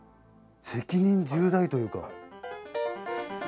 責任重大というか。